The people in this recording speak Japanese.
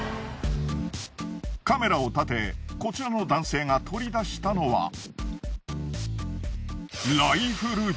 カメラを立てこちらの男性が取り出したのは。